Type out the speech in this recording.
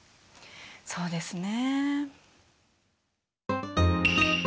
そうですね。